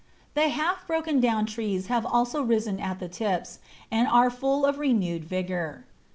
The half broken down trees have also risen at the tips, and are full of renewed vigour.